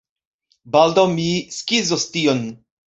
Baldaŭ mi skizos tion!